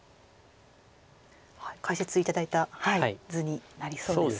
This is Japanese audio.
解説頂いた図になりそうですね。